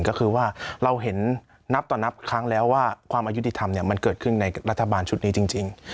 ก็คือว่าเราเห็นนับต่อนับครั้งแล้วว่าความอายุติธรรมมันเกิดขึ้นในรัฐบาลชุดนี้จริง